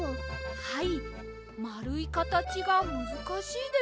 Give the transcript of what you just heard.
はいまるいかたちがむずかしいです。